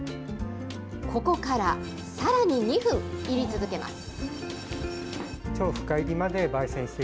ここからさらに２分、いり続けます。